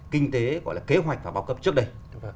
kinh tế gọi là kế hoạch và bao cấp trước đây